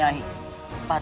aku tidak akan bebas